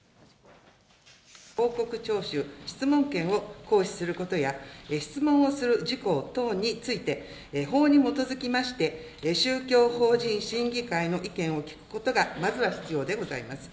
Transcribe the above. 報告徴収、質問権を行使することや、質問をする事項等について、法に基づきまして、宗教法人審議会の意見を聞くことがまずは必要でございます。